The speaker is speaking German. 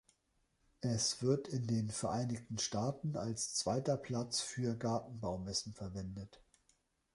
Es wird in den Vereinigten Staaten als zweiter Platz für Gartenbaumessen verwendet.